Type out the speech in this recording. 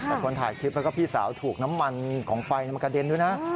แต่คนถ่ายคลิปแล้วก็พี่สาวถูกน้ำมันของไฟมันกระเด็นด้วยนะ